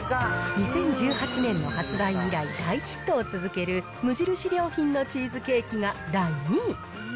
２０１８年の発売以来、大ヒットを続ける、無印良品のチーズケーキが第２位。